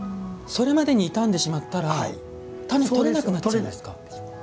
それまでに痛んでしまったら、種が取れなくなっちゃうんですか。